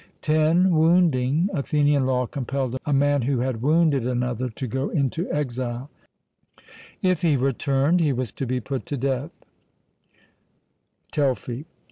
(10) Wounding. Athenian law compelled a man who had wounded another to go into exile; if he returned, he was to be put to death (Telfy).